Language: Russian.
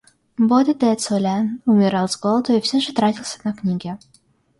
Бода Де Цулен умирал с голоду и все же тратился на книги.